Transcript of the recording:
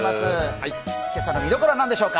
今朝の見どころは何でしょうか？